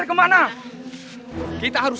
dan memperoleh kekuatan